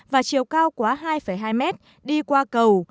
và chiều cao quá hai hai mét đi qua cầu